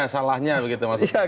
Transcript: salahnya begitu maksudnya